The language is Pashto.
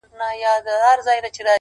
• بل وايي چي روغتون ته وړل سوې نه ده,